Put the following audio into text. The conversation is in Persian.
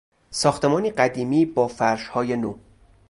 ساختمانی قدیمی با فرشهای نو